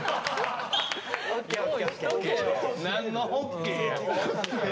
何のＯＫや。